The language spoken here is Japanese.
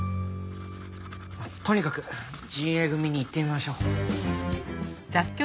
とにかく仁英組に行ってみましょう。